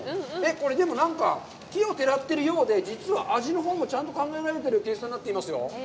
これ、でも何か、奇をてらってるようで、実は味のほうも考えられてる計算になってますよ。